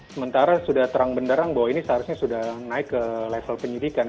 sementara sudah terang benderang bahwa ini seharusnya sudah naik ke level penyidikan